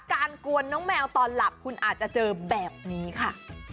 กวนน้องแมวตอนหลับคุณอาจจะเจอแบบนี้ค่ะ